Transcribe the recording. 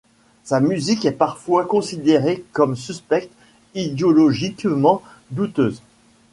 Sa musique est parfois considérée comme suspecte, idéologiquement douteuse.